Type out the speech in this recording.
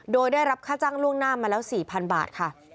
โดยได้รับค่าจ้างล่วงหน้ามาแล้ว๔๐๐๐บาทค่ะ